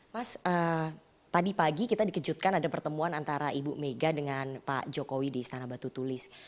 mas tadi pagi kita dikejutkan ada pertemuan antara ibu mega dengan pak jokowi di istana batu tulis